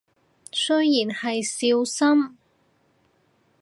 雖然係少深